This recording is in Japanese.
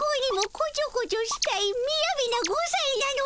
こちょこちょしたいみやびな５さいなのじゃ。